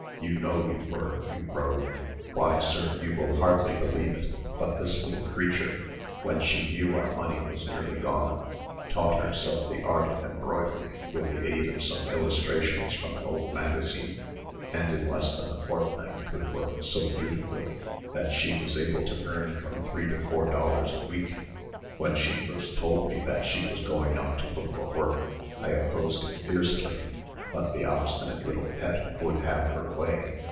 You know you were, you rogue. Why, sir, you will hardly believe it, but this little creature, when she knew our money was nearly gone, taught herself the art of embroidery, with the aid of some illustrations from an old magazine, and in less than a fortnight could work so beautifully, that she was able to earn from three to four dollars a week. When she first told me that she was going out to look for work, I opposed it fiercely; but the obstinate little Pet would have her way.